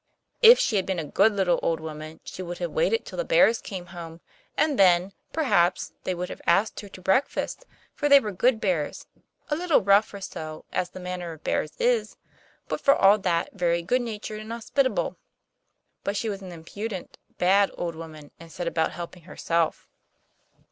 If she had been a good little old woman she would have waited till the bears came home, and then, perhaps, they would have asked her to breakfast; for they were good bears a little rough or so, as the manner of bears is, but for all that very good natured and hospitable. But she was an impudent, bad old woman, and set about helping herself.